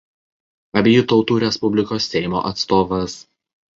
Abiejų Tautų Respublikos Seimo atstovas.